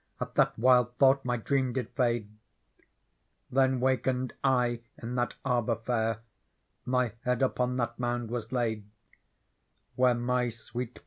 At that wild thought my dreamjid fade. Th«n wakened I in lliat Arbour fair. My head upon that Mouud was laid Where my swe, et.